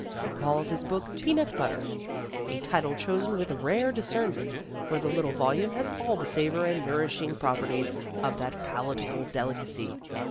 He calls his book Peanut Butter. A title chosen with rare discernment, for the little volume has all the savor and nourishing properties of that palatable delicacy.